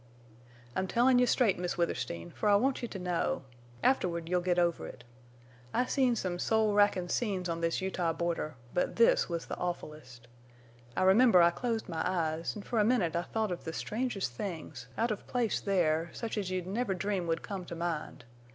"I'm tellin' you straight, Miss Withersteen, fer I want you to know. Afterward you'll git over it. I've seen some soul rackin' scenes on this Utah border, but this was the awfulest. I remember I closed my eyes, an' fer a minute I thought of the strangest things, out of place there, such as you'd never dream would come to mind.